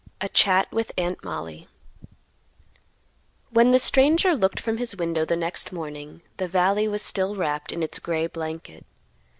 A CHAT WITH AUNT MOLLIE. When the stranger looked from his window the next morning, the valley was still wrapped in its gray blanket.